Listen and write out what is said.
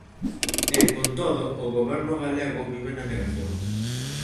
E, con todo, o Goberno galego vive na negación.